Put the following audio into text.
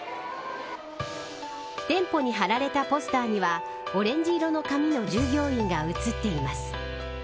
店舗に貼られたポスターにはオレンジ色の髪の従業員が写っています。